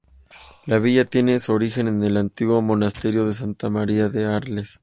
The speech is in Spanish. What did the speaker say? La villa tiene su origen en el antiguo monasterio de Santa María de Arles.